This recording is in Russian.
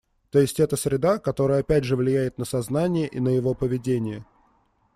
То есть это среда, которая опять же влияет на сознание и на его поведение